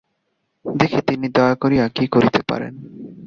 দেখি, তিনি দয়া করিয়া কী করিতে পারেন।